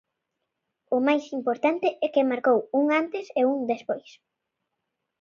O máis importante é que marcou un antes e un despois.